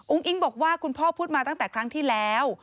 อิ๊งบอกว่าคุณพ่อพูดมาตั้งแต่ครั้งที่แล้ว